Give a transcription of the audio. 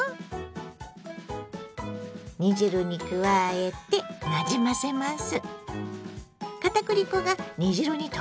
煮汁に加えてなじませます。